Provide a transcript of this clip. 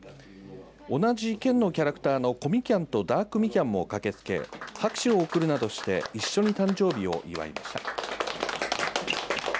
同じ県のキャラクターのこみきゃんとダークみきゃんも駆けつけ拍手を送るなどして一緒に誕生日を祝いました。